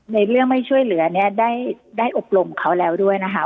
ในเรื่องไม่ช่วยเหลือเนี่ยได้อบรมเขาแล้วด้วยนะคะ